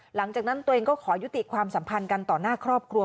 หลังจากนั้นตัวเองก็ขอยุติความสัมพันธ์กันต่อหน้าครอบครัว